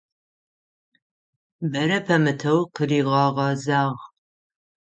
Бэрэ пэмытэу къыригъэгъэзагъ.